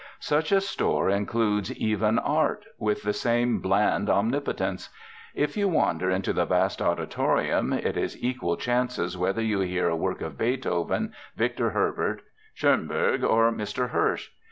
Such a store includes even Art, with the same bland omnipotence. If you wander into the vast auditorium, it is equal chances whether you hear a work of Beethoven, Victor Herbert, Schonberg, or Mr Hirsch.